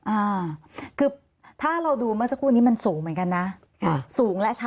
อ่าคือถ้าเราดูเมื่อสักครู่นี้มันสูงเหมือนกันนะค่ะสูงและช้า